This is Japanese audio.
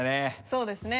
そうですね。